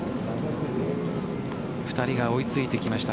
２人が追いついてきました。